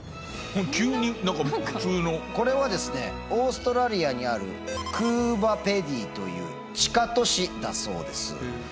急に何か普通の。これはですねオーストラリアにあるクーバーペディという地下都市だそうです。